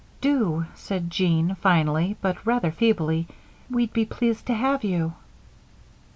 "Do," said Jean, finally, but rather feebly, "we'd be pleased to have you."